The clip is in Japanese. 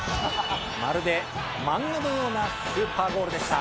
まるで漫画のようなスーパーゴールでした。